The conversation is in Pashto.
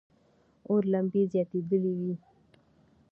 اور لمبې زیاتېدلې وې.